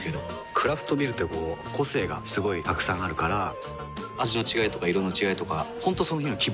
クラフトビールってこう個性がすごいたくさんあるから味の違いとか色の違いとか本当その日の気分。